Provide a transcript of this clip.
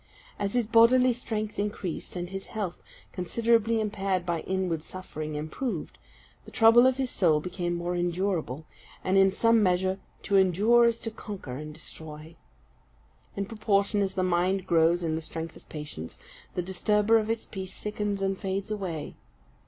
As his bodily strength increased, and his health, considerably impaired by inward suffering, improved, the trouble of his soul became more endurable and in some measure to endure is to conquer and destroy. In proportion as the mind grows in the strength of patience, the disturber of its peace sickens and fades away.